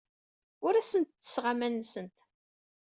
Ur asent-ttesseɣ aman-nsent.